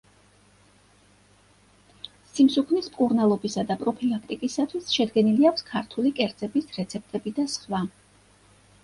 სიმსუქნის მკურნალობისა და პროფილაქტიკისათვის შედგენილი აქვს ქართული კერძების რეცეპტები და სხვა.